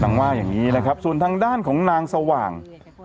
ว่าอย่างนี้นะครับส่วนทางด้านของนางสว่าง